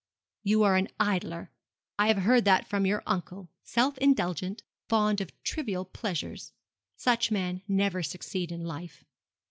'You are an idler I have heard that from your uncle self indulgent, fond of trivial pleasures. Such men never succeed in life.